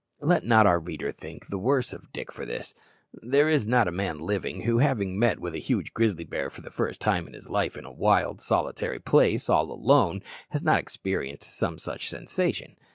Let not our reader think the worse of Dick for this. There is not a man living who, having met with a huge grizzly bear for the first time in his life in a wild, solitary place, all alone, has not experienced some such sensation.